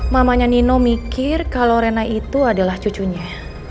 mamanya nino mikir kalau rena itu adalah cucunya